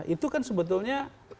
itu kan sebetulnya